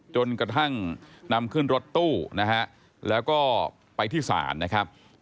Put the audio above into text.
จนกระทั่งนำขึ้นรถตู้นะฮะแล้วก็ไปที่ศาลนะครับ